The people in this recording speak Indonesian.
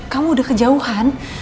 kamu udah kejauhan